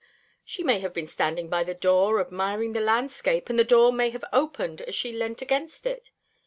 She may have been standing by the door, admiring the landscape, and the door may have opened as she leant against it.